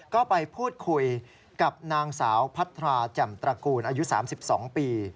ก็ไปพูดคุยกับนางสาวพัทราแจ่มตระกูลอายุ๓๒ปี